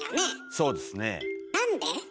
そうですね。